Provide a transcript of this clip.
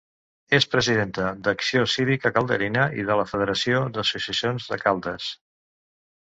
És presidenta d’Acció Cívica Calderina i de la Federació d'Associacions de Caldes.